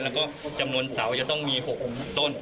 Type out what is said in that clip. แล้วก็จำนวนเสาจะต้องมี๖ต้น